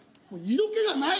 色気がない？